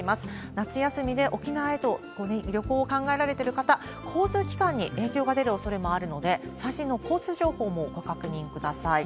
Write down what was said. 夏休みで沖縄へと旅行を考えられている方、交通機関に影響が出るおそれもあるので、最新の交通情報もご確認ください。